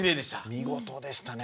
見事でしたね。